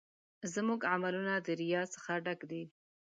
زموږ عملونه د ریا څخه ډک دي.